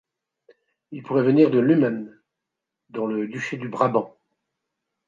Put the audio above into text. Il pourrait venir de Lummen, dans le duché de Brabant.